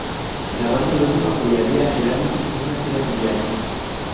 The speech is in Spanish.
La banda luego apoyaría el álbum en una gira mundial.